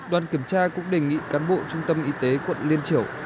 đoàn kiểm tra cũng đề nghị cán bộ trung tâm y tế quận liên triều